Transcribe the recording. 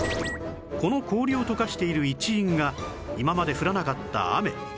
この氷を解かしている一因が今まで降らなかった雨